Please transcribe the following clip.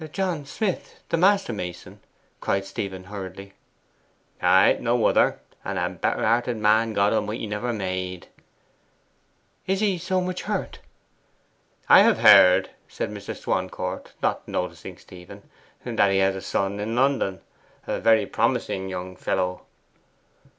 'John Smith, the master mason?' cried Stephen hurriedly. 'Ay, no other; and a better hearted man God A'mighty never made.' 'Is he so much hurt?' 'I have heard,' said Mr. Swancourt, not noticing Stephen, 'that he has a son in London, a very promising young fellow.